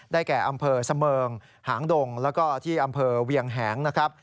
แก่อำเภอเสมิงหางดงแล้วก็ที่อำเภอเวียงแหงนะครับ